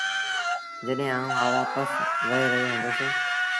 جڏهيݩ آئوٚݩ وآپس وهي رهيو هُندس۔